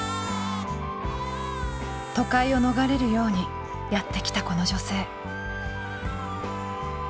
都会を逃れるようにやって来たこの女性。